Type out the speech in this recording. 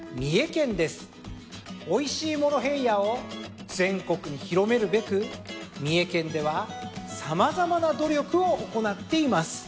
おいしいモロヘイヤを全国に広めるべく三重県では様々な努力を行っています。